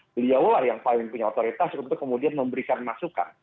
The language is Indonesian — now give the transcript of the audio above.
beliau lah yang paling punya otoritas untuk kemudian memberikan masukan